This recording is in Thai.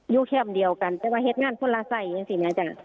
อยู่แค่อันเดียวกันแต่ว่าเห็นงานคนละไส่อย่างงั้นสินะจ๊ะ